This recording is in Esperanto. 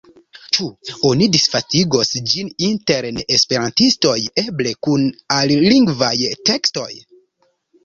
Ĉu oni disvastigos ĝin inter neesperantistoj, eble kun alilingvaj tekstoj?